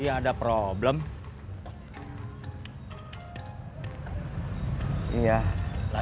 tidak perlu berpindah soalnya